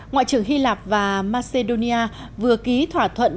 ngoại trưởng hy lạp và macedonia vừa ký thỏa thuận